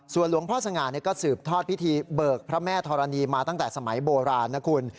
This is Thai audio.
หลวงพ่อสง่าก็สืบทอดพิธีเบิกพระแม่ธรณีมาตั้งแต่สมัยโบราณนะคุณ